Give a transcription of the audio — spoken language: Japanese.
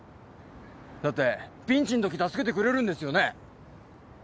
だってピンチんとき助けてくれるんですよね？